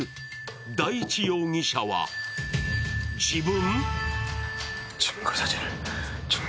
第１容疑者は自分？